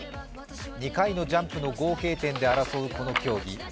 ２回のジャンプの合計点で争うこの競技。